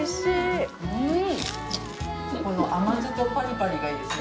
この甘酢とパリパリがいいですね。